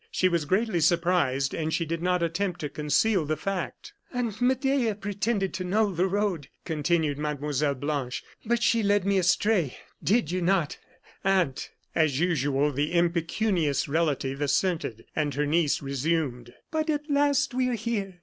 She was greatly surprised, and she did not attempt to conceal the fact. "Aunt Medea pretended to know the road," continued Mlle. Blanche, "but she led me astray; did you not, aunt?" As usual, the impecunious relative assented, and her niece resumed: "But at last we are here.